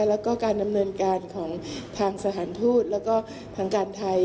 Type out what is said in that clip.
แล้วก็การดำเนินการของทางสถานทูตแล้วก็ทางการไทย